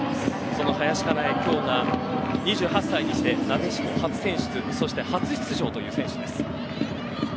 その林香奈絵今日は２８歳にしてなでしこ初選出そして初出場という選手です。